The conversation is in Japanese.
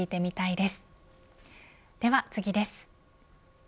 では次です。